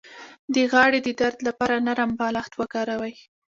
د غاړې د درد لپاره نرم بالښت وکاروئ